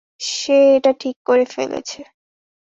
সে এটা ঠিক করে ফেলেছে।